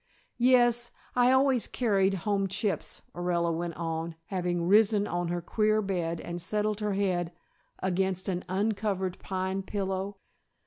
"Yes, I always carried home chips," Orilla went on, having risen on her queer bed and settled her head against an uncovered pine pillow.